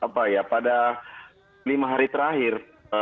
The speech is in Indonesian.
pada lima hari terakhir